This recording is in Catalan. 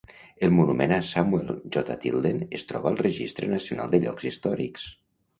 El monument a Samuel J. Tilden es troba al registre nacional de llocs històrics.